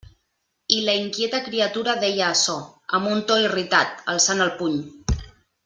I la inquieta criatura deia açò amb un to irritat, alçant el puny.